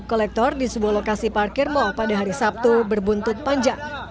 kolektor di sebuah lokasi parkir mal pada hari sabtu berbuntut panjang